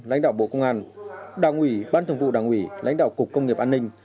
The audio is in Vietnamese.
lãnh đạo bộ công an đảng ủy ban thường vụ đảng ủy lãnh đạo cục công nghiệp an ninh